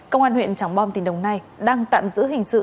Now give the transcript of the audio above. công an huyện trảng bom tỉnh đồng nai đang tạm giữ hình sự